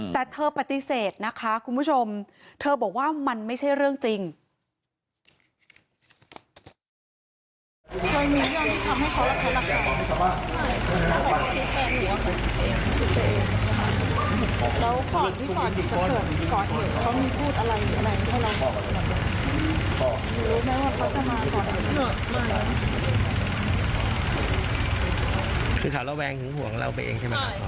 แต่เธอปฏิเสธนะคะคุณผู้ชมเธอบอกว่ามันไม่ใช่เรื่องจริง